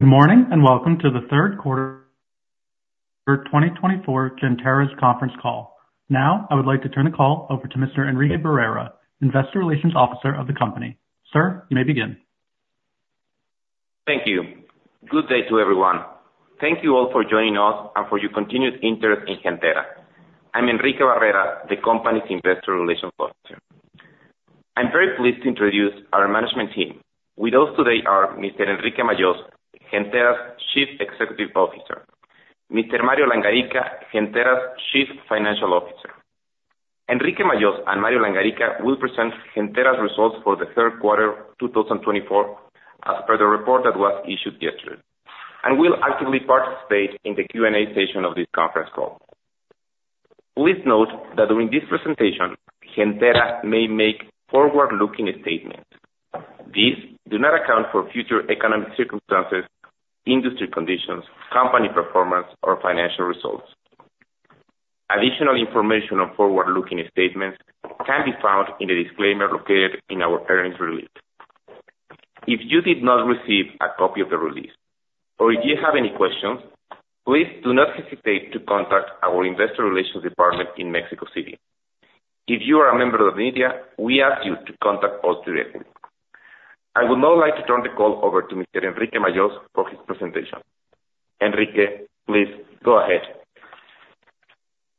Good morning, and welcome to the third quarter 2024 Gentera's conference call. Now, I would like to turn the call over to Mr. Enrique Barrera, Investor Relations Officer of the company. Sir, you may begin. Thank you. Good day to everyone. Thank you all for joining us and for your continued interest in Gentera. I'm Enrique Barrera, the company's Investor Relations Officer. I'm very pleased to introduce our management team. With us today are Mr. Enrique Majós, Gentera's Chief Executive Officer, Mr. Mario Langarica, Gentera's Chief Financial Officer. Enrique Majós and Mario Langarica will present Gentera's results for the third quarter two thousand and twenty-four, as per the report that was issued yesterday, and will actively participate in the Q&A session of this conference call. Please note that during this presentation, Gentera may make forward-looking statements. These do not account for future economic circumstances, industry conditions, company performance, or financial results. Additional information on forward-looking statements can be found in the disclaimer located in our earnings release. If you did not receive a copy of the release, or if you have any questions, please do not hesitate to contact our investor relations department in Mexico City. If you are a member of the media, we ask you to contact us directly. I would now like to turn the call over to Mr. Enrique Majós for his presentation. Enrique, please go ahead.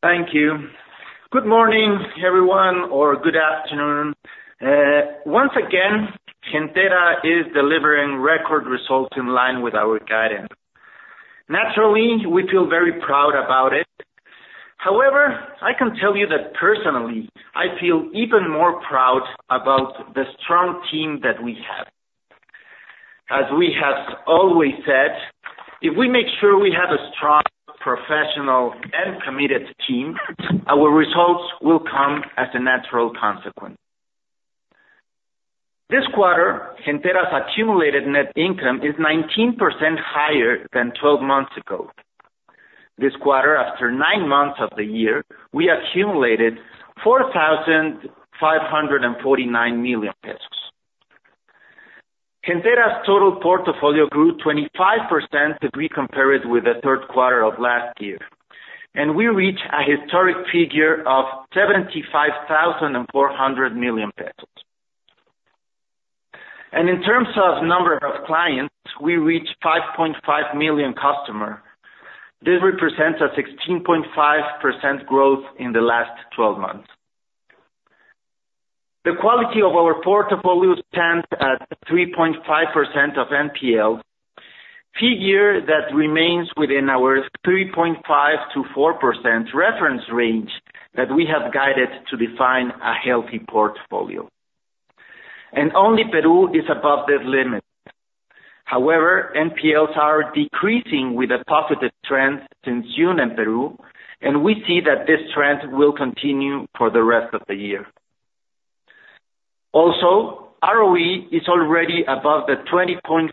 Thank you. Good morning, everyone, or good afternoon. Once again, Gentera is delivering record results in line with our guidance. Naturally, we feel very proud about it. However, I can tell you that personally, I feel even more proud about the strong team that we have. As we have always said, if we make sure we have a strong, professional, and committed team, our results will come as a natural consequence. This quarter, Gentera's accumulated net income is 19% higher than twelve months ago. This quarter, after nine months of the year, we accumulated 4,549 million pesos. Gentera's total portfolio grew 25% if we compare it with the third quarter of last year, and we reached a historic figure of 75,400 million pesos. And in terms of number of clients, we reached 5.5 million customer. This represents a 16.5% growth in the last 12 months. The quality of our portfolio stands at 3.5% of NPL, figure that remains within our 3.5%-4% reference range that we have guided to define a healthy portfolio, and only Peru is above this limit. However, NPLs are decreasing with a positive trend since June in Peru, and we see that this trend will continue for the rest of the year. Also, ROE is already above the 20.5%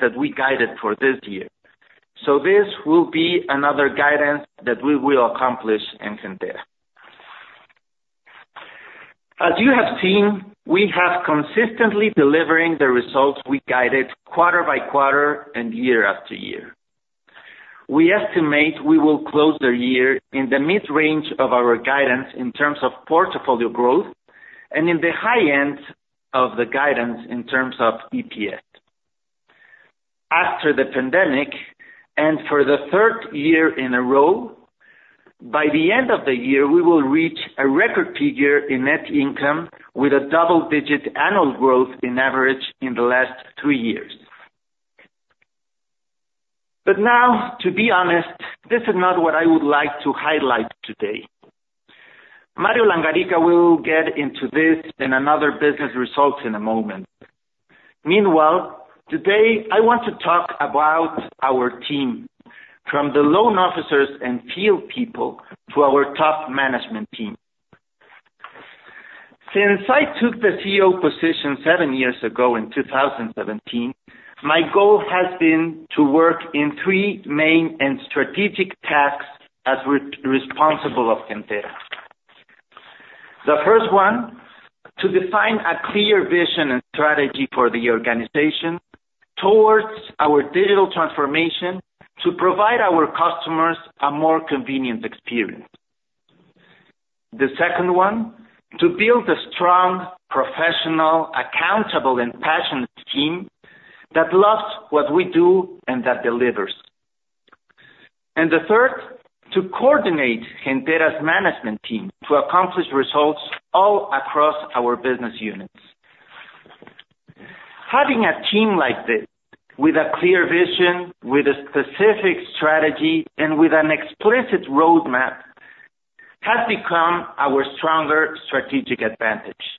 that we guided for this year, so this will be another guidance that we will accomplish in Gentera. As you have seen, we have consistently delivering the results we guided quarter by quarter and year after year. We estimate we will close the year in the mid-range of our guidance in terms of portfolio growth and in the high end of the guidance in terms of EPS. After the pandemic, and for the third year in a row, by the end of the year, we will reach a record figure in net income with a double-digit annual growth in average in the last two years, but now, to be honest, this is not what I would like to highlight today. Mario Langarica will get into this and another business results in a moment. Meanwhile, today, I want to talk about our team, from the loan officers and field people to our top management team. Since I took the CEO position seven years ago in two thousand and seventeen, my goal has been to work in three main and strategic tasks as responsible of Gentera. The first one, to define a clear vision and strategy for the organization towards our digital transformation, to provide our customers a more convenient experience. The second one, to build a strong, professional, accountable and passionate team that loves what we do and that delivers, and the third, to coordinate Gentera's management team to accomplish results all across our business units. Having a team like this, with a clear vision, with a specific strategy, and with an explicit roadmap, has become our stronger strategic advantage.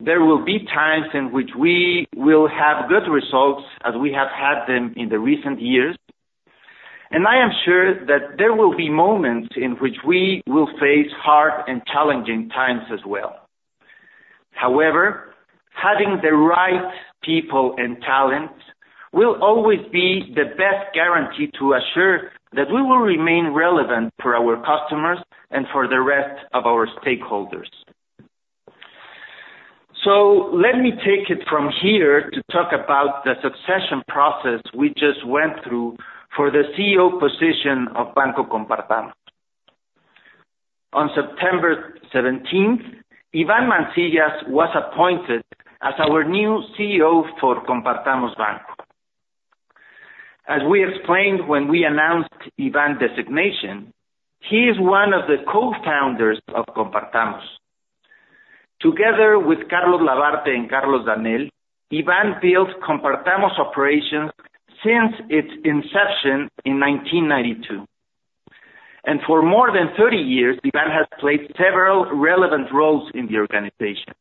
There will be times in which we will have good results, as we have had them in the recent years, and I am sure that there will be moments in which we will face hard and challenging times as well. However, having the right people and talent will always be the best guarantee to assure that we will remain relevant for our customers and for the rest of our stakeholders, so let me take it from here to talk about the succession process we just went through for the CEO position of Banco Compartamos. On September 17th, Iván Mancillas was appointed as our new CEO for Banco Compartamos. As we explained when we announced Iván's designation, he is one of the cofounders of Compartamos. Together with Carlos Labarthe and Carlos Danell, Iván built Compartamos operations since its inception in 1992, and for more than thirty years, Iván has played several relevant roles in the organization.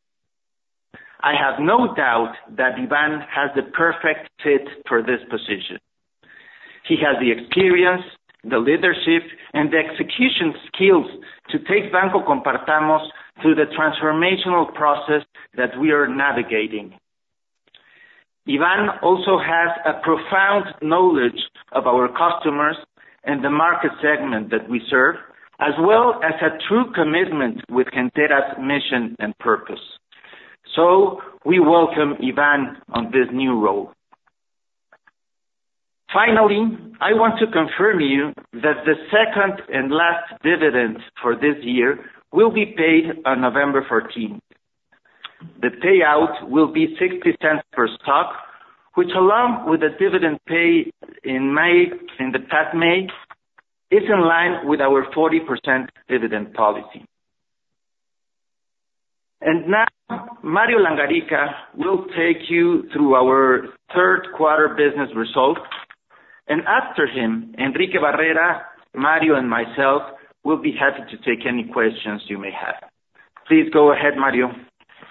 I have no doubt that Iván has the perfect fit for this position. He has the experience, the leadership, and the execution skills to take Banco Compartamos through the transformational process that we are navigating. Iván also has a profound knowledge of our customers and the market segment that we serve, as well as a true commitment with Gentera's mission and purpose. So we welcome Iván on this new role. Finally, I want to confirm you that the second and last dividend for this year will be paid on November 14th. The payout will be 0.60 per stock, which along with the dividend paid in May, in the past May, is in line with our 40% dividend policy. And now, Mario Langarica will take you through our third quarter business results, and after him, Enrique Barrera, Mario, and myself will be happy to take any questions you may have. Please go ahead, Mario.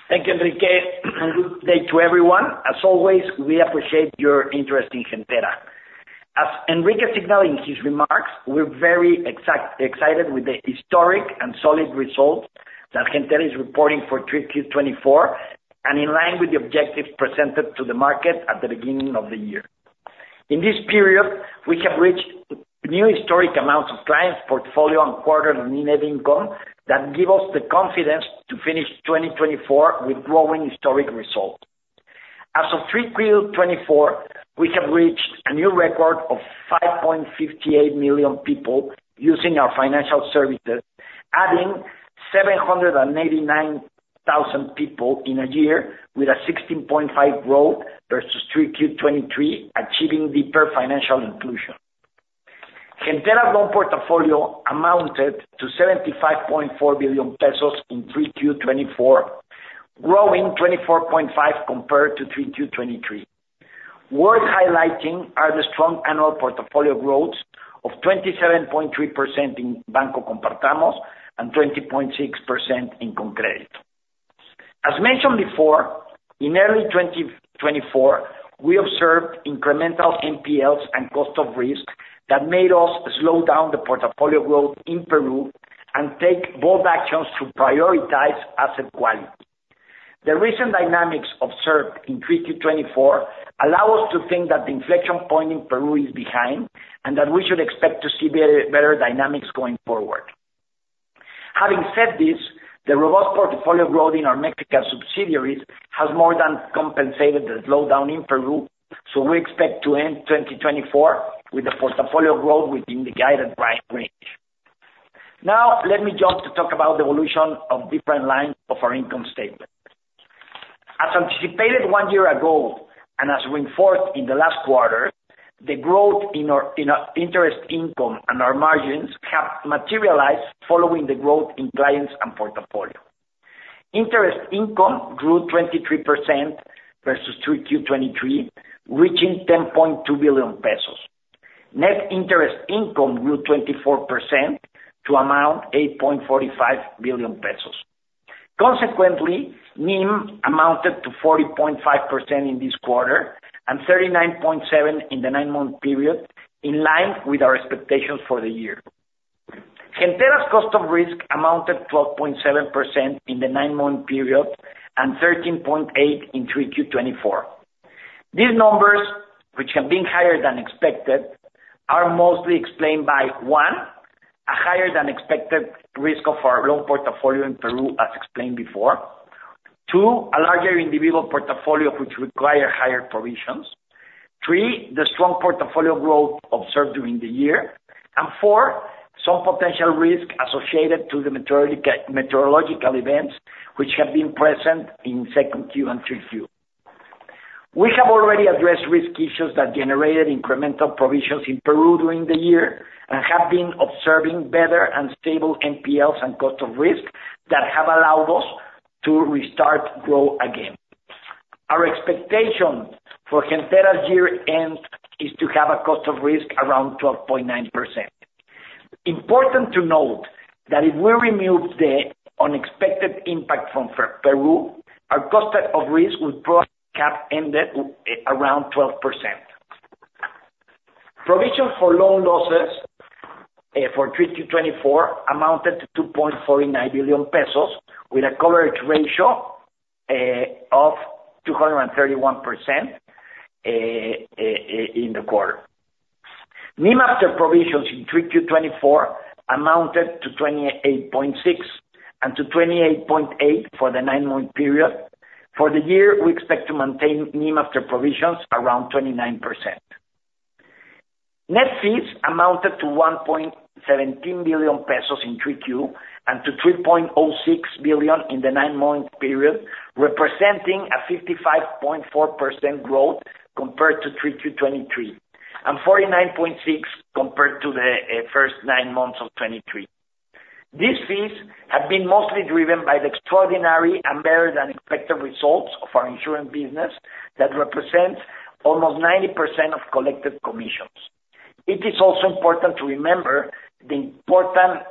Thank you, Enrique, and good day to everyone. As always, we appreciate your interest in Gentera. As Enrique signaled in his remarks, we're very excited with the historic and solid results that Gentera is reporting for 3Q 2024, and in line with the objectives presented to the market at the beginning of the year. In this period, we have reached new historic amounts of clients, portfolio, and quarter net income that give us the confidence to finish 2024 with growing historic results. As of 3Q 2024, we have reached a new record of 5.58 million people using our financial services, adding 789,000 people in a year, with a 16.5% growth versus 3Q 2023, achieving deeper financial inclusion. Gentera loan portfolio amounted to 75.4 billion pesos in 3Q 2024, growing 24.5% compared to 3Q 2023. Worth highlighting are the strong annual portfolio growths of 27.3% in Banco Compartamos and 20.6% in ConCrédito. As mentioned before, in early 2024, we observed incremental NPLs and cost of risk that made us slow down the portfolio growth in Peru and take bold actions to prioritize asset quality. The recent dynamics observed in 3Q 2024 allow us to think that the inflection point in Peru is behind, and that we should expect to see better dynamics going forward. Having said this, the robust portfolio growth in our Mexico subsidiaries has more than compensated the slowdown in Peru, so we expect to end 2024 with the portfolio growth within the guided range. Now, let me jump to talk about the evolution of different lines of our income statement. As anticipated one year ago, and as reinforced in the last quarter, the growth in our interest income and our margins have materialized following the growth in clients and portfolio. Interest income grew 23% versus 3Q 2023, reaching 10.2 billion pesos. Net interest income grew 24% to amount 8.45 billion pesos. Consequently, NIM amounted to 40.5% in this quarter, and 39.7% in the nine-month period, in line with our expectations for the year. Gentera's cost of risk amounted 12.7% in the nine-month period, and 13.8% in 3Q 2024. These numbers, which have been higher than expected, are mostly explained by, one, a higher than expected risk of our loan portfolio in Peru, as explained before. Two, a larger individual portfolio which require higher provisions. Three, the strong portfolio growth observed during the year. And four, some potential risk associated to the meteorological events, which have been present in second Q and three Q. We have already addressed risk issues that generated incremental provisions in Peru during the year, and have been observing better and stable NPLs and cost of risk that have allowed us to restart growth again. Our expectation for Gentera's year end is to have a cost of risk around 12.9%. Important to note that if we remove the unexpected impact from Peru, our cost of risk would probably have ended around 12%. Provision for loan losses, for 3Q 2024, amounted to 2.49 billion pesos, with a coverage ratio of 231%, in the quarter. NIM after provisions in 3Q 2024 amounted to 28.6, and to 28.8 for the nine-month period. For the year, we expect to maintain NIM after provisions around 29%. Net fees amounted to 1.17 billion pesos in 3Q, and to 3.06 billion in the nine-month period, representing a 55.4% growth compared to 3Q 2023, and 49.6% compared to the first nine months of 2023. These fees have been mostly driven by the extraordinary and better than expected results of our insurance business, that represents almost 90% of collected commissions. It is also important to remember the important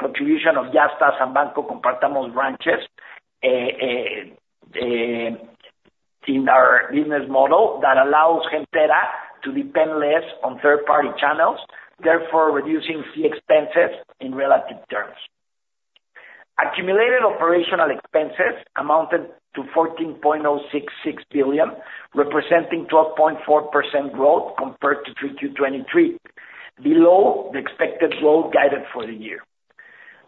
contribution of Yastás and Banco Compartamos branches in our business model that allows Gentera to depend less on third party channels, therefore, reducing fee expenses in relative terms. Accumulated operational expenses amounted to 14.066 billion, representing 12.4% growth compared to 3Q 2023, below the expected growth guided for the year.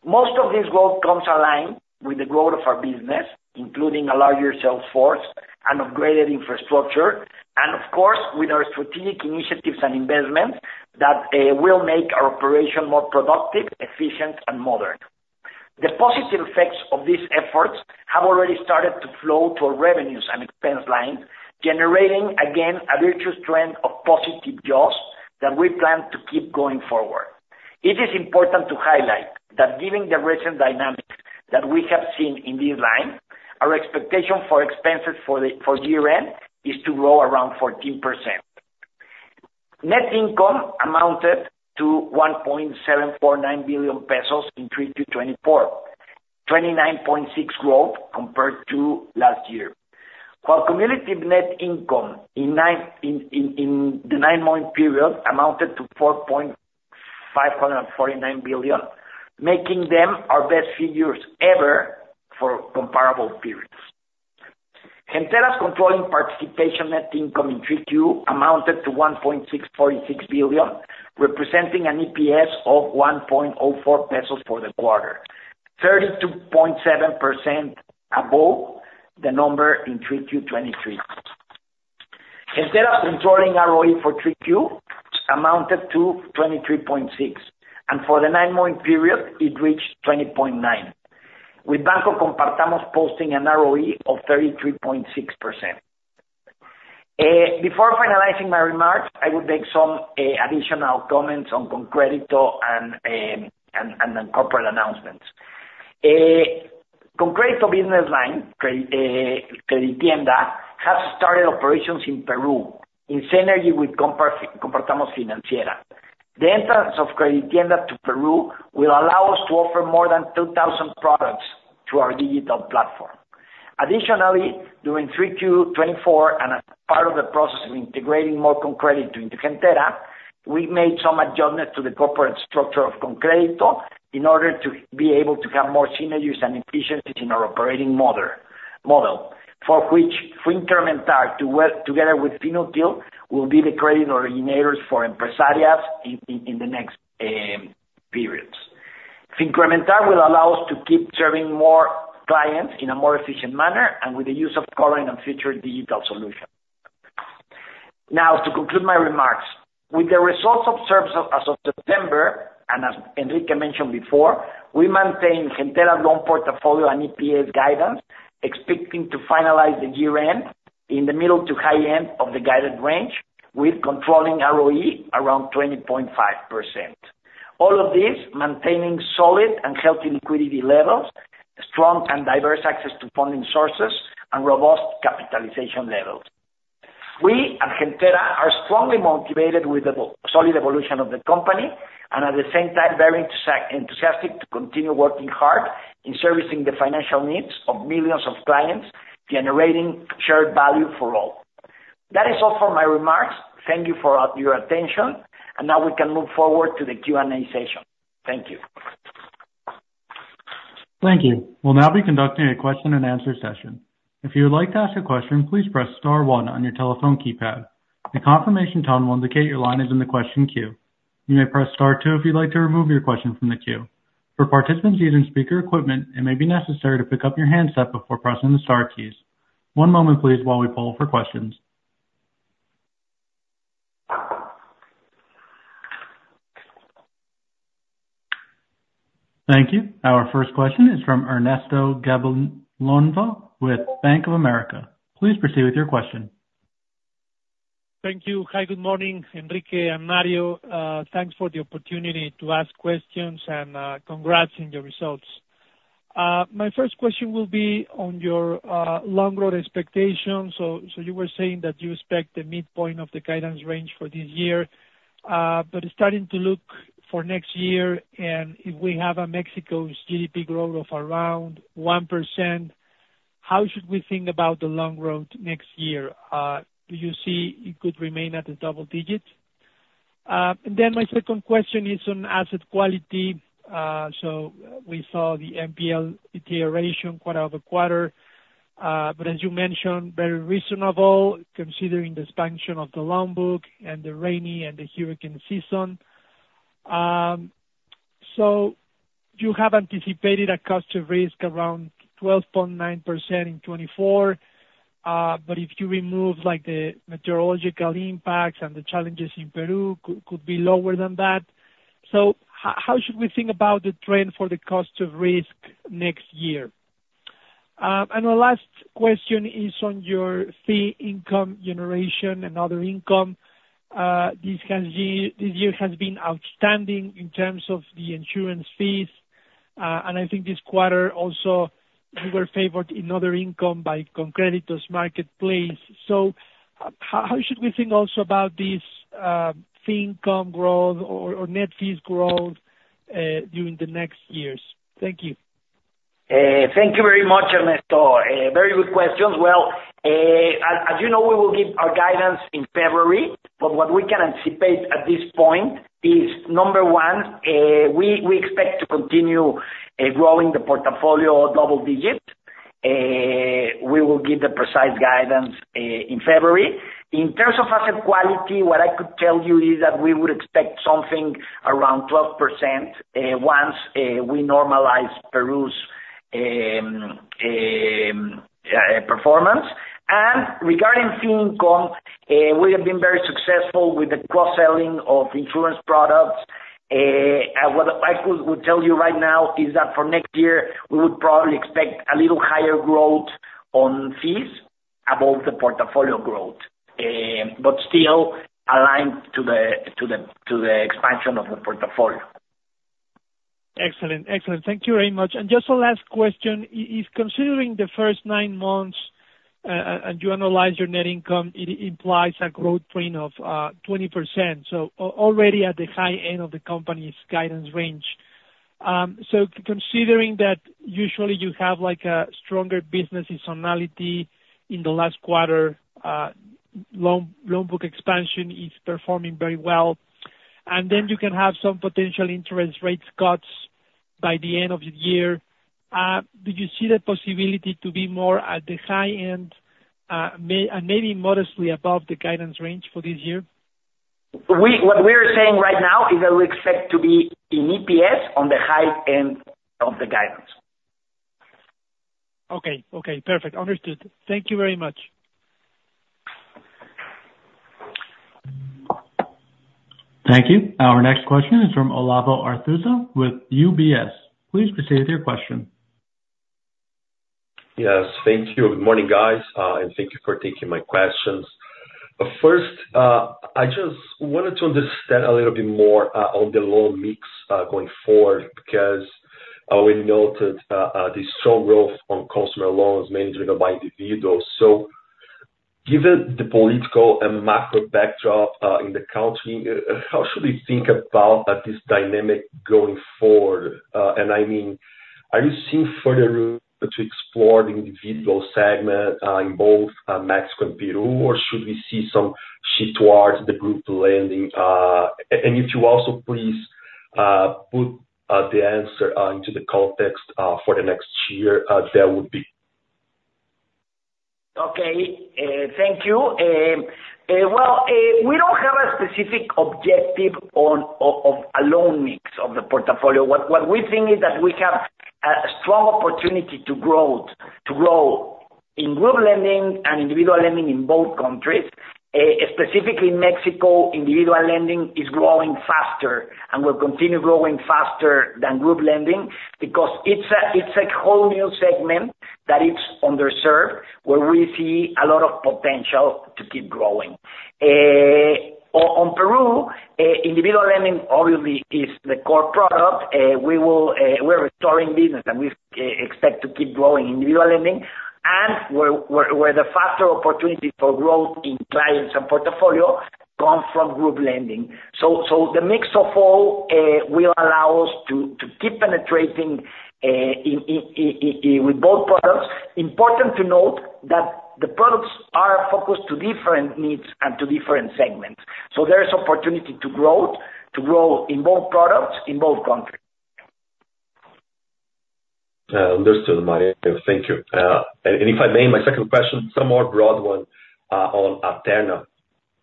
Most of this growth comes aligned with the growth of our business, including a larger sales force and upgraded infrastructure, and of course, with our strategic initiatives and investments that will make our operation more productive, efficient, and modern. The positive effects of these efforts have already started to flow to our revenues and expense line, generating, again, a virtuous trend of positive jaws that we plan to keep going forward. It is important to highlight that given the recent dynamics that we have seen in this line, our expectation for expenses for year end is to grow around 14%. Net income amounted to 1.749 billion pesos in 3Q 2024, 29.6% growth compared to last year. While cumulative net income in the nine-month period amounted to 4.549 billion, making them our best figures ever for comparable periods. Gentera's controlling participation net income in 3Q amounted to 1.646 billion, representing an EPS of 1.04 pesos for the quarter, 32.7% above the number in 3Q 2023. Gentera's controlling ROE for 3Q amounted to 23.6, and for the nine-month period, it reached 20.9, with Banco Compartamos posting an ROE of 33.6%. Before finalizing my remarks, I will make some additional comments on ConCrédito and then corporate announcements. ConCrédito business line, Creditienda, has started operations in Peru, in synergy with Compartamos Financiera. The entrance of Creditienda to Peru will allow us to offer more than 2,000 products through our digital platform. Additionally, during 3Q 2024, and as part of the process of integrating more ConCrédito into Gentera, we made some adjustments to the corporate structure of ConCrédito in order to be able to have more synergies and efficiencies in our operating model, for which Fincrementar, to work together with Finutil, will be the credit originators for empresas in the next periods. Fincrementar will allow us to keep serving more clients in a more efficient manner and with the use of current and future digital solutions. Now, to conclude my remarks, with the results observed as of September, and as Enrique mentioned before, we maintain Gentera's loan portfolio and EPS guidance, expecting to finalize the year-end in the middle to high end of the guided range, with controlling ROE around 20.5%. All of this, maintaining solid and healthy liquidity levels, strong and diverse access to funding sources, and robust capitalization levels. We at Gentera are strongly motivated with the solid evolution of the company, and at the same time, very enthusiastic to continue working hard in servicing the financial needs of millions of clients, generating shared value for all. That is all for my remarks. Thank you for your attention, and now we can move forward to the Q&A session. Thank you. We'll now be conducting a question and answer session. If you would like to ask a question, please press star one on your telephone keypad. A confirmation tone will indicate your line is in the question queue. You may press star two if you'd like to remove your question from the queue. For participants using speaker equipment, it may be necessary to pick up your handset before pressing the star keys. One moment, please, while we poll for questions. Thank you. Our first question is from Ernesto Gabilondo with Bank of America. Please proceed with your question. Thank you. Hi, good morning, Enrique and Mario. Thanks for the opportunity to ask questions and, congrats on your results. My first question will be on your long-term expectations. So you were saying that you expect the midpoint of the guidance range for this year, but starting to look for next year, and if we have a Mexico's GDP growth of around 1%, how should we think about the long-term next year? Do you see it could remain at the double digits? And then my second question is on asset quality. So we saw the NPL deterioration quarter over quarter... But as you mentioned, very reasonable considering the expansion of the loan book and the rainy and the hurricane season. So you have anticipated a cost of risk around 12.9% in 2024, but if you remove, like, the meteorological impacts and the challenges in Peru, could be lower than that. So how should we think about the trend for the cost of risk next year? And the last question is on your fee income generation and other income. This year has been outstanding in terms of the insurance fees, and I think this quarter also you were favored in other income by ConCrédito's Marketplace. So how should we think also about this, fee income growth or net fees growth, during the next years? Thank you. Thank you very much, Ernesto. Very good questions. Well, as you know, we will give our guidance in February, but what we can anticipate at this point is, number one, we expect to continue growing the portfolio double digits. We will give the precise guidance in February. In terms of asset quality, what I could tell you is that we would expect something around 12% once we normalize Peru's performance. And regarding fee income, we have been very successful with the cross-selling of insurance products, and what I could tell you right now is that for next year we would probably expect a little higher growth on fees above the portfolio growth, but still aligned to the expansion of the portfolio. Excellent. Excellent. Thank you very much. And just a last question. If considering the first nine months, and you analyze your net income, it implies a growth rate of 20%, so already at the high end of the company's guidance range. So considering that usually you have, like, a stronger business seasonality in the last quarter, loan book expansion is performing very well, and then you can have some potential interest rates cuts by the end of the year, do you see the possibility to be more at the high end, maybe modestly above the guidance range for this year? What we are saying right now is that we expect to be in EPS on the high end of the guidance. Okay. Okay, perfect. Understood. Thank you very much. Thank you. Our next question is from Olavo Arthuzo with UBS. Please proceed with your question. Yes, thank you. Good morning, guys, and thank you for taking my questions. First, I just wanted to understand a little bit more on the loan mix going forward, because we noted the strong growth on consumer loans, mainly driven by individuals. So given the political and macro backdrop in the country, how should we think about this dynamic going forward? And I mean, are you seeing further room to explore the individual segment in both Mexico and Peru, or should we see some shift towards the group lending? And if you also please put the answer into the context for the next year, that would be. Okay. Thank you. We don't have a specific objective on of a loan mix of the portfolio. What we think is that we have a strong opportunity to grow in group lending and individual lending in both countries. Specifically Mexico, individual lending is growing faster and will continue growing faster than group lending, because it's a whole new segment that is underserved, where we see a lot of potential to keep growing. On Peru, individual lending obviously is the core product. We will, we're restoring business, and we expect to keep growing individual lending, and where the faster opportunity for growth in clients and portfolio come from group lending. So the mix of all will allow us to keep penetrating with both products. Important to note that the products are focused to different needs and to different segments, so there is opportunity to growth, to grow in both products, in both countries. Understood, Mario. Thank you. And if I may, my second question, it's a more broad one, on Gentera,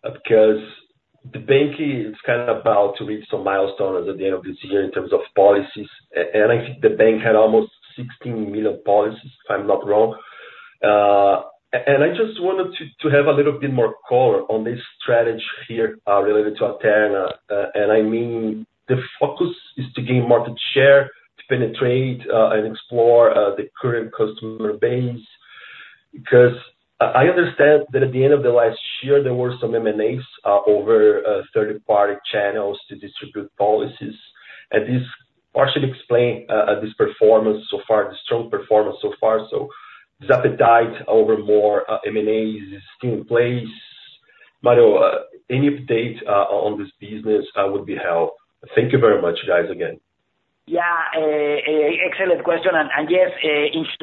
because the bank is kind of about to reach some milestone at the end of this year in terms of policies, and I think the bank had almost 16 million policies, if I'm not wrong. And I just wanted to have a little bit more color on this strategy here, related to Gentera. And I mean, the focus is to gain market share, to penetrate, and explore, the current customer base. Because I understand that at the end of the last year, there were some M&As over third-party channels to distribute policies, and this partially explain this performance so far, the strong performance so far. So this appetite over more M&As is still in place. Mario, any update on this business would be helpful. Thank you very much, guys, again. Yeah, excellent question, and yes,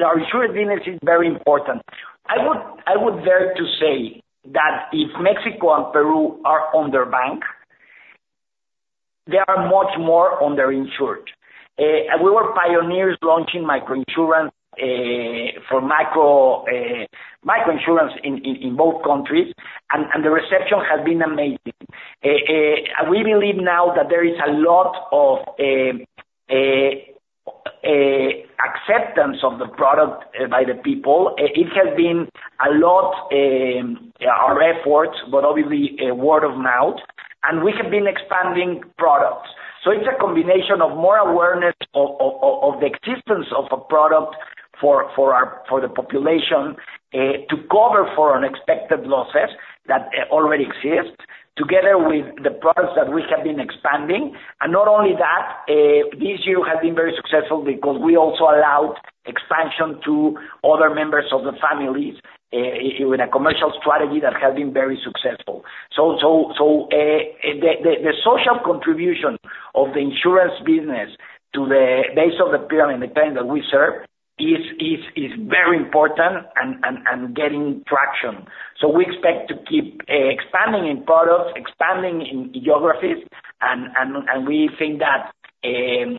our insurance business is very important. I would dare to say that Mexico and Peru are much more underinsured. And we were pioneers launching micro-insurance in both countries, and the reception has been amazing. And we believe now that there is a lot of acceptance of the product by the people. It has been a lot, our efforts, but obviously word of mouth, and we have been expanding products. So it's a combination of more awareness of the existence of a product for the population to cover for unexpected losses that already exist, together with the products that we have been expanding. And not only that, this year has been very successful because we also allowed expansion to other members of the families with a commercial strategy that has been very successful. So the social contribution of the insurance business to the base of the pyramid, the client that we serve, is very important and getting traction. So we expect to keep expanding in products, expanding in geographies, and we think that today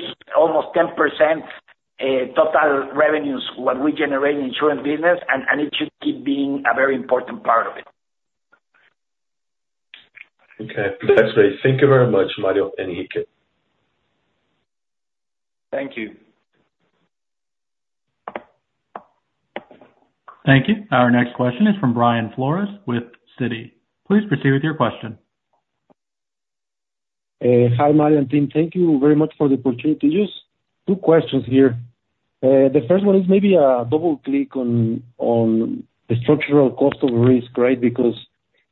it's almost 10% total revenues, what we generate in insurance business, and it should keep being a very important part of it. Okay, that's great. Thank you very much, Mario and Enrique. Thank you. Thank you. Our next question is from Brian Flores with Citi. Please proceed with your question. Hi, Mario and team. Thank you very much for the opportunity. Just two questions here. The first one is maybe a double click on the structural cost of risk, right? Because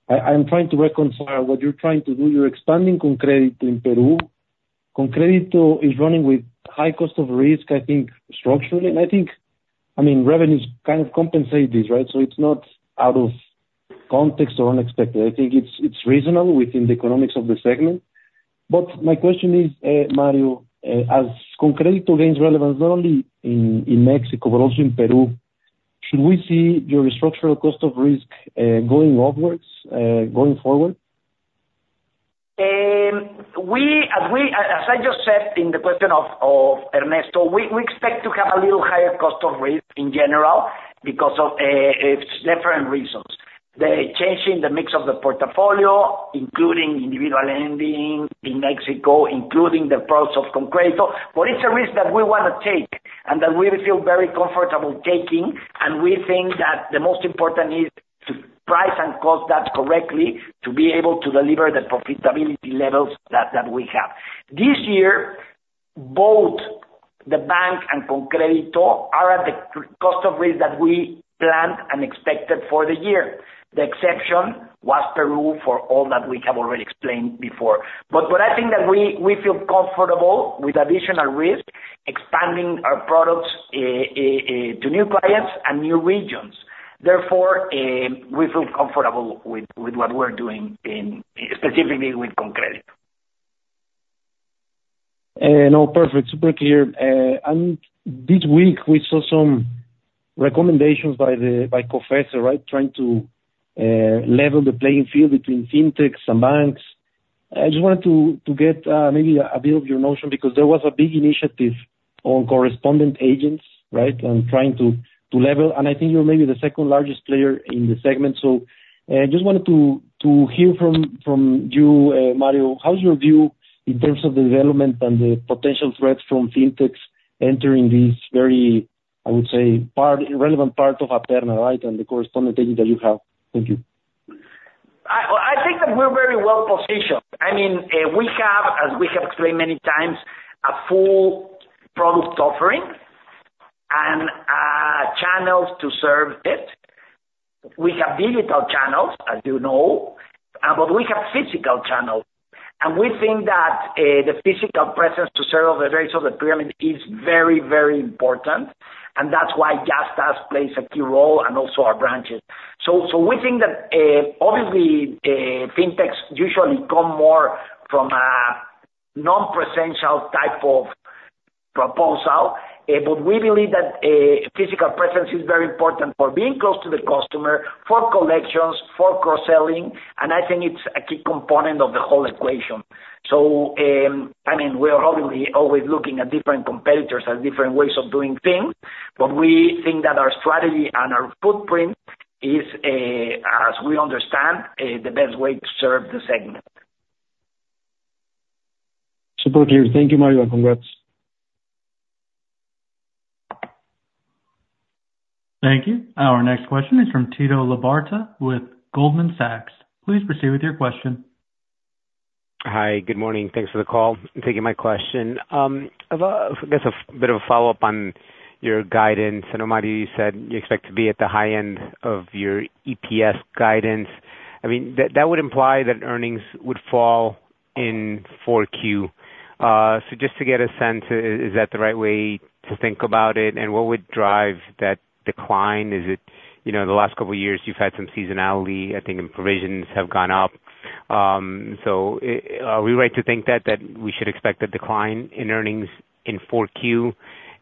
I'm trying to reconcile what you're trying to do. You're expanding ConCrédito in Peru. ConCrédito is running with high cost of risk, I think structurally, and I mean, revenues kind of compensate this, right? So it's not out of context or unexpected. I think it's reasonable within the economics of the segment. But my question is, Mario, as ConCrédito gains relevance, not only in Mexico, but also in Peru, should we see your structural cost of risk going upwards, going forward? As I just said in the question of Ernesto, we expect to have a little higher cost of risk in general because of different reasons. The change in the mix of the portfolio, including individual lending in Mexico, including the products of ConCrédito. But it's a risk that we wanna take, and that we feel very comfortable taking, and we think that the most important is to price and cost that correctly, to be able to deliver the profitability levels that we have. This year, both the bank and ConCrédito are at the cost of risk that we planned and expected for the year. The exception was Peru, for all that we have already explained before. But I think that we feel comfortable with additional risk, expanding our products, to new clients and new regions. Therefore, we feel comfortable with what we're doing in, specifically with ConCrédito. No, perfect, super clear. And this week we saw some recommendations by the, by COFECE, right? Trying to level the playing field between fintechs and banks. I just wanted to get maybe a bit of your notion, because there was a big initiative on correspondent agents, right? On trying to level, and I think you're maybe the second largest player in the segment. So, just wanted to hear from you, Mario. How's your view in terms of the development and the potential threats from fintechs entering this very, I would say, part, relevant part of Gentera, right, and the correspondent agents that you have? Thank you. I think that we're very well positioned. I mean, we have, as we have explained many times, a full product offering and channels to serve it. We have digital channels, as you know, but we have physical channels. We think that the physical presence to serve the base of the pyramid is very, very important, and that's why Yastás plays a key role and also our branches. We think that, obviously, fintechs usually come more from a non-presential type of proposal, but we believe that physical presence is very important for being close to the customer, for collections, for cross-selling, and I think it's a key component of the whole equation. So, I mean, we are obviously always looking at different competitors and different ways of doing things, but we think that our strategy and our footprint is, as we understand, the best way to serve the segment. Super clear. Thank you, Mario, and congrats. Thank you. Our next question is from Tito Labarta with Goldman Sachs. Please proceed with your question. Hi, good morning. Thanks for the call and taking my question. I've got a bit of a follow-up on your guidance. I know, Mario, you said you expect to be at the high end of your EPS guidance. I mean, that would imply that earnings would fall in 4Q. So just to get a sense, is that the right way to think about it? And what would drive that decline? Is it... You know, the last couple of years you've had some seasonality, I think, and provisions have gone up. So are we right to think that we should expect a decline in earnings in 4Q,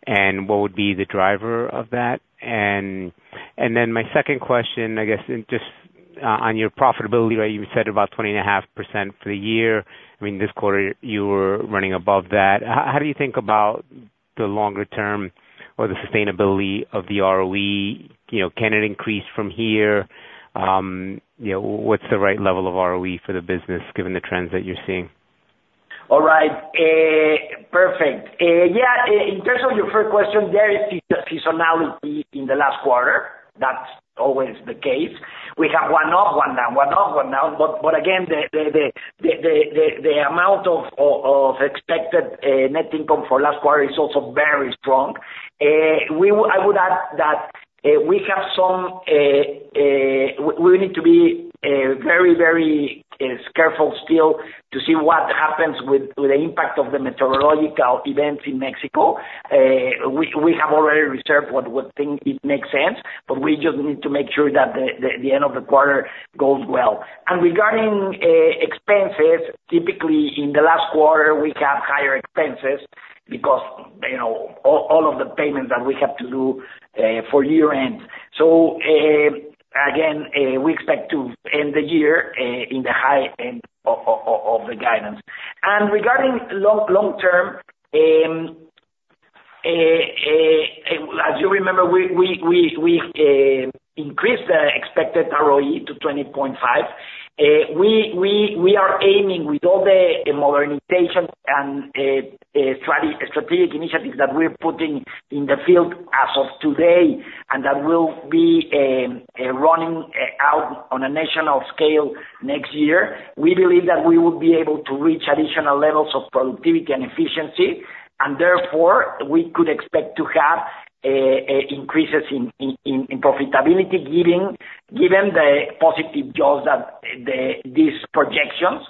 and what would be the driver of that? And then my second question, I guess, and just-... On your profitability, right, you said about 20.5% for the year. I mean, this quarter you were running above that. How do you think about the longer term or the sustainability of the ROE? You know, can it increase from here? You know, what's the right level of ROE for the business, given the trends that you're seeing? All right. Perfect. Yeah, in terms of your first question, there is seasonality in the last quarter. That's always the case. We have one up, one down, one up, one down, but again, the amount of expected net income for last quarter is also very strong. I would add that we have some. We need to be very, very careful still to see what happens with the impact of the meteorological events in Mexico. We have already reserved what we think it makes sense, but we just need to make sure that the end of the quarter goes well. And regarding expenses, typically in the last quarter, we have higher expenses because, you know, all of the payments that we have to do for year-end. So, again, we expect to end the year in the high end of the guidance. And regarding long term, as you remember, we increased the expected ROE to 20.5%. We are aiming with all the modernization and strategic initiatives that we're putting in the field as of today, and that will be running out on a national scale next year. We believe that we will be able to reach additional levels of productivity and efficiency, and therefore, we could expect to have increases in profitability, given the positive jobs that these projections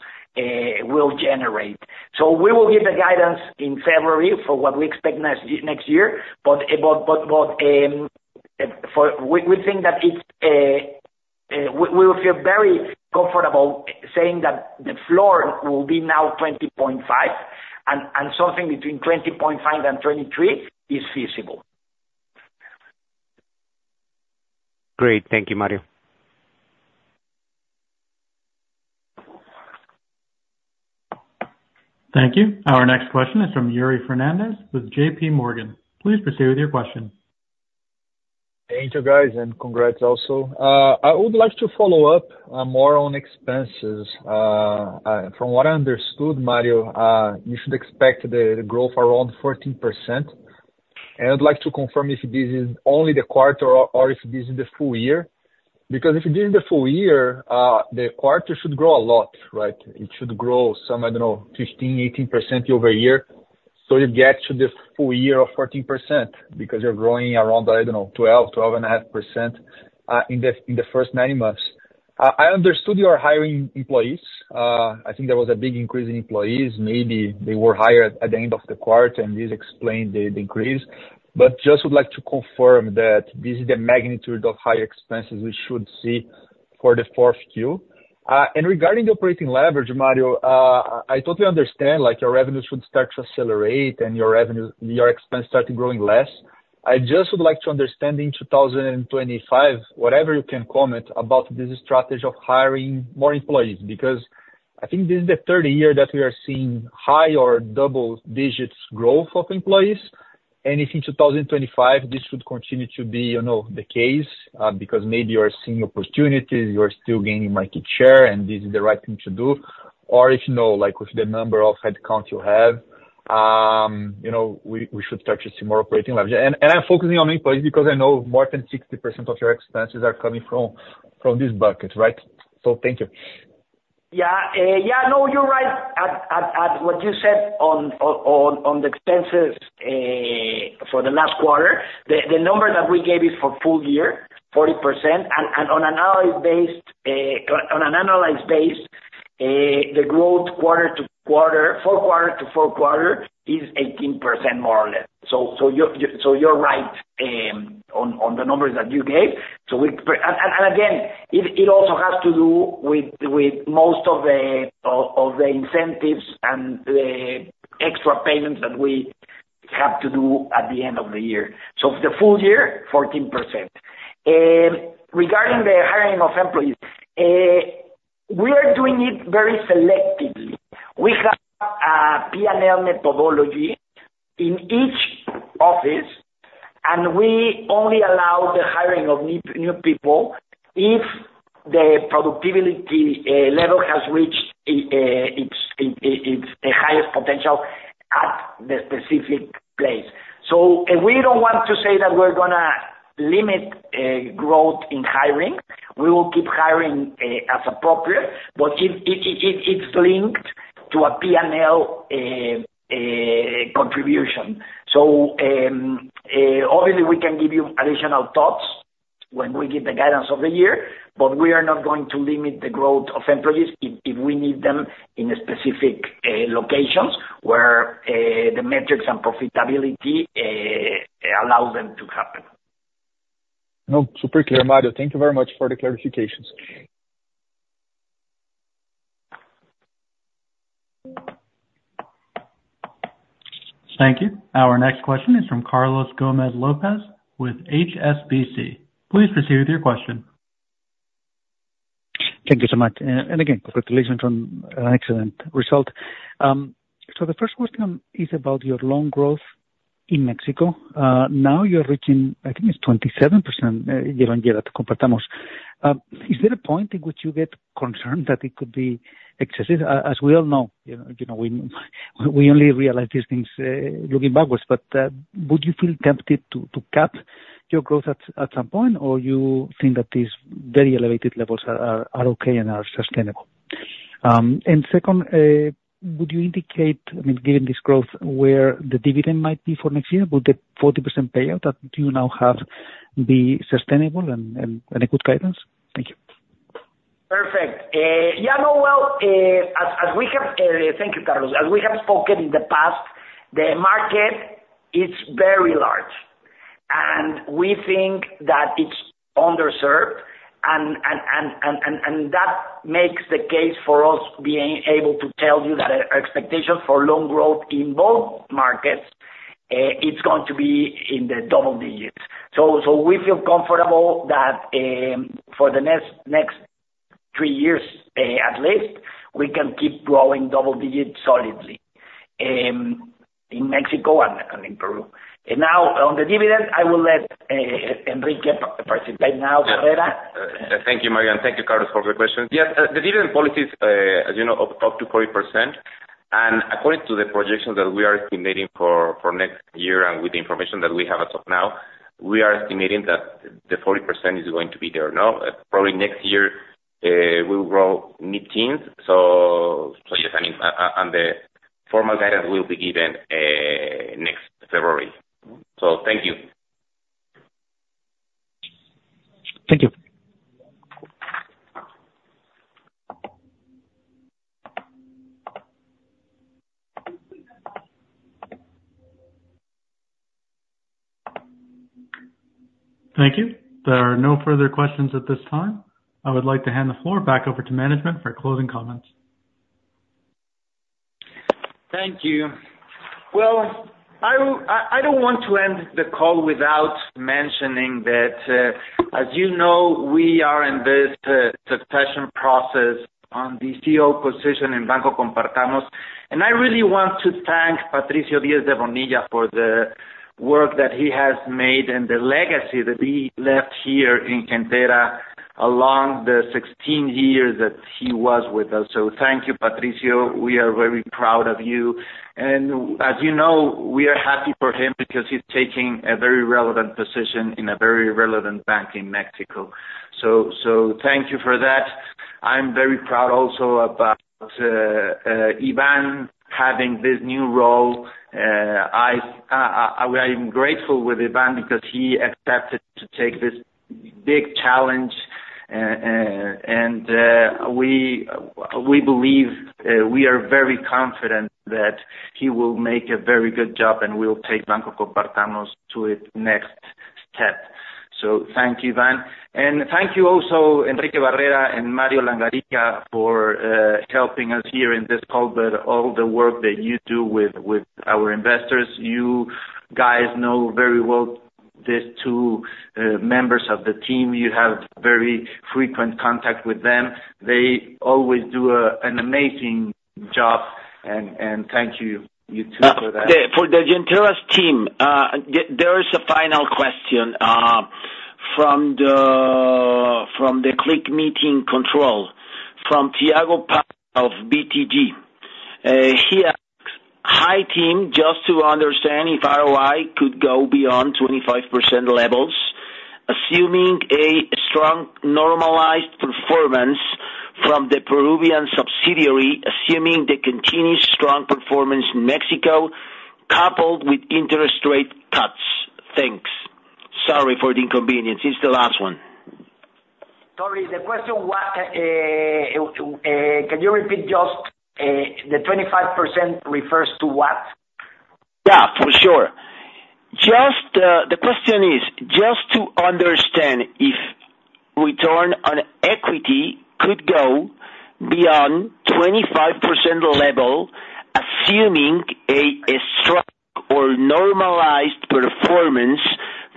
will generate, so we will give the guidance in February for what we expect next year, but we think that it's. We feel very comfortable saying that the floor will be now 20.5%, and something between 20.5% and 23% is feasible. Great. Thank you, Mario. Thank you. Our next question is from Yuri Fernandes with JP Morgan. Please proceed with your question. Thank you, guys, and congrats also. I would like to follow up more on expenses. From what I understood, Mario, you should expect the growth around 14%. I would like to confirm if this is only the quarter or if this is the full year, because if it is the full year, the quarter should grow a lot, right? It should grow some, I don't know, 15%-18% over a year, so you get to the full year of 14% because you're growing around, I don't know, 12-12.5% in the first nine months. I understood you are hiring employees. I think there was a big increase in employees. Maybe they were hired at the end of the quarter, and this explained the increase, but just would like to confirm that this is the magnitude of high expenses we should see for the fourth Q, and regarding the operating leverage, Mario, I totally understand, like, your revenues should start to accelerate and your expenses starting growing less. I just would like to understand in 2025, whatever you can comment about this strategy of hiring more employees, because I think this is the third year that we are seeing high or double-digit growth of employees. If in 2025, this would continue to be, you know, the case, because maybe you are seeing opportunities, you are still gaining market share, and this is the right thing to do, or if you know, like, with the number of headcount you have, you know, we should start to see more operating leverage. And I'm focusing on employees because I know more than 60% of your expenses are coming from this bucket, right? So thank you. Yeah. Yeah, no, you're right at what you said on the expenses for the last quarter. The number that we gave is for full year, 40%. On an annual basis, on an annualized basis, the growth quarter to quarter, full quarter to full quarter is 18%, more or less. So you're right on the numbers that you gave. So we... And again, it also has to do with most of the incentives and the extra payments that we have to do at the end of the year. So the full year, 14%. Regarding the hiring of employees, we are doing it very selectively. We have a P&L methodology in each office, and we only allow the hiring of new people if the productivity level has reached its highest potential at the specific place. So we don't want to say that we're gonna limit growth in hiring. We will keep hiring as appropriate, but it's linked to a P&L contribution. So obviously, we can give you additional thoughts when we give the guidance of the year, but we are not going to limit the growth of employees if we need them in specific locations where the metrics and profitability allow them to happen. No, super clear, Mario. Thank you very much for the clarifications. Thank you. Our next question is from Carlos Gómez-López with HSBC. Please proceed with your question. Thank you so much, and again, congratulations on an excellent result. So the first question is about your loan growth in Mexico. Now you're reaching, I think it's 27%, year-on-year at Compartamos. Is there a point in which you get concerned that it could be excessive? As we all know, you know, we only realize these things looking backwards, but would you feel tempted to cap your growth at some point? Or you think that these very elevated levels are okay and are sustainable? And second, would you indicate, I mean, given this growth, where the dividend might be for next year? Would the 40% payout that you now have be sustainable and a good guidance? Thank you. Perfect. Yeah, no, well, thank you, Carlos. As we have spoken in the past, the market is very large, and we think that it's underserved, and that makes the case for us being able to tell you that our expectations for loan growth in both markets, it's going to be in the double digits. So we feel comfortable that, for the next three years, at least, we can keep growing double digits solidly, in Mexico and in Peru. Now on the dividend, I will let Enrique Barrera participate now. Thank you, Mario, and thank you, Carlos, for the question. Yes, the dividend policy is, as you know, up to 40%, and according to the projections that we are estimating for next year, and with the information that we have as of now, we are estimating that the 40% is going to be there now. Probably next year, we will grow mid-teens, so yes, I mean, and the formal guidance will be given next February. So thank you. Thank you. Thank you. There are no further questions at this time. I would like to hand the floor back over to management for closing comments. Thank you. I don't want to end the call without mentioning that, as you know, we are in this succession process on the CEO position in Banco Compartamos, and I really want to thank Patricio Diez de Bonilla for the work that he has made and the legacy that he left here in Gentera along the 16 years that he was with us. So thank you, Patricio. We are very proud of you. And as you know, we are happy for him because he's taking a very relevant position in a very relevant bank in Mexico. So thank you for that. I'm very proud also about Iván having this new role. We are even grateful with Iván because he accepted to take this big challenge, and we believe we are very confident that he will make a very good job, and we will take Banco Compartamos to its next step. So thank you, Iván, and thank you also, Enrique Barrera and Mario Langarica, for helping us here in this call, but all the work that you do with our investors. You guys know very well these two members of the team. You have very frequent contact with them. They always do an amazing job, and thank you, you too, for that. For Gentera's team, there is a final question from the ClickMeeting control, from Thiago Paura of BTG Pactual. He asks: "Hi, team, just to understand, if ROI could go beyond 25% levels, assuming a strong normalized performance from the Peruvian subsidiary, assuming the continued strong performance in Mexico, coupled with interest rate cuts? Thanks. Sorry for the inconvenience." It's the last one. Sorry, the question was, can you repeat just, the 25% refers to what? Yeah, for sure. Just, The question is, just to understand if return on equity could go beyond 25% level, assuming a strong or normalized performance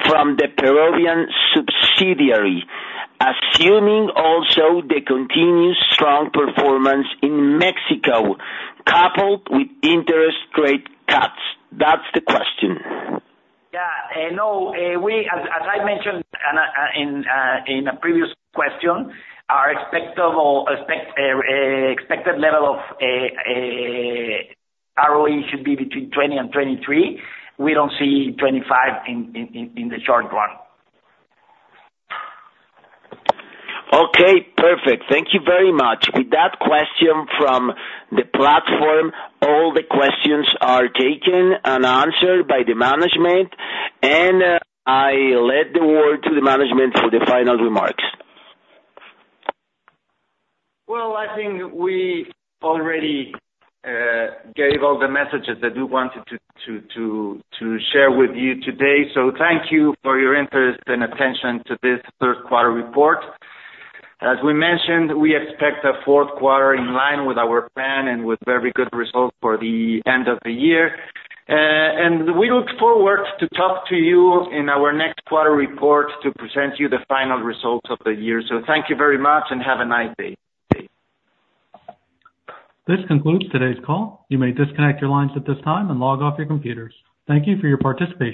from the Peruvian subsidiary, assuming also the continued strong performance in Mexico, coupled with interest rate cuts. That's the question. Yeah. No, as I mentioned in a previous question, our expected level of ROE should be between 20% and 23%. We don't see 25% in the short run. Okay, perfect. Thank you very much. With that question from the platform, all the questions are taken and answered by the management, and I let the word to the management for the final remarks. I think we already gave all the messages that we wanted to share with you today. Thank you for your interest and attention to this third quarter report. As we mentioned, we expect a fourth quarter in line with our plan and with very good results for the end of the year. And we look forward to talk to you in our next quarter report to present you the final results of the year. Thank you very much and have a nice day. This concludes today's call. You may disconnect your lines at this time and log off your computers. Thank you for your participation.